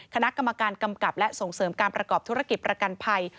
คณะกรรมการกำกับและส่งเสริมการประกอบธุรกิจประกันภัย